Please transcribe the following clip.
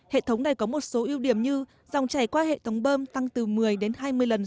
hệ thống này có một số ưu điểm như dòng chảy qua hệ thống bơm tăng từ một mươi đến hai mươi lần